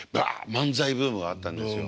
漫才ブームがあったんですよ。